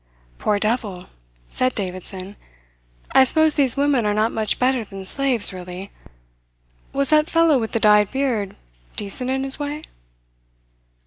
"Poor devil!" said Davidson, "I suppose these women are not much better than slaves really. Was that fellow with the dyed beard decent in his way?"